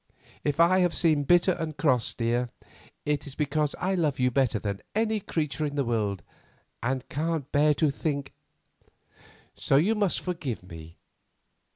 If I have seemed bitter and cross, dear, it is because I love you better than any creature in the world, and can't bear to think——So you must forgive me.